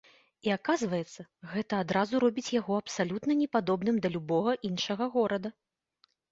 І аказваецца, гэта адразу робіць яго абсалютна не падобным да любога іншага горада.